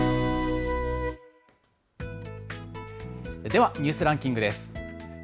ではニュースランキングです。